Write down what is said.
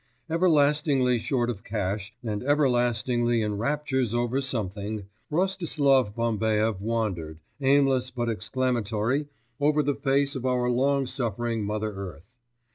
Everlastingly short of cash, and everlastingly in raptures over something, Rostislav Bambaev wandered, aimless but exclamatory, over the face of our long suffering mother earth.